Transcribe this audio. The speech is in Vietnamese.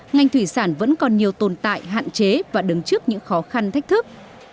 ngành thủy sản vẫn còn nhiều tồn tại hạn chế và đứng trước những khó khăn thách thức